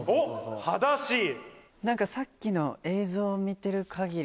さっきの映像を見てる限り。